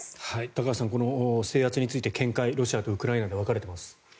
高橋さん、制圧について見解、ロシアとウクライナで分かれています。